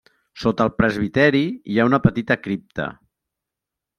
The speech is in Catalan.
Sota el presbiteri hi ha una petita cripta.